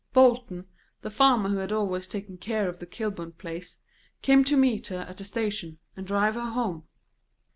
Bolton, the farmer who had always taken care of the Kilburn place, came to meet her at the station and drive her home.